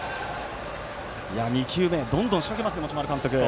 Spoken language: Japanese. ２球目、どんどん仕掛けますね持丸監督。